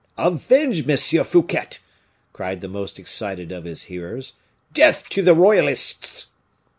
"Avenge Monsieur Fouquet!" cried the most excited of his hearers, "death to the royalists!"